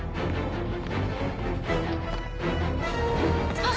あっ。